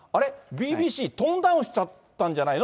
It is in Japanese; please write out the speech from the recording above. ＢＢＣ、トーンダウンしちゃったんじゃないの？